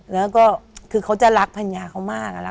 แล้วก็คือเขาจะรักภรรยาเขามากอะ